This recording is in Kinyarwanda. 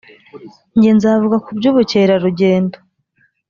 njye nzavuga ku by’ubukerarugendo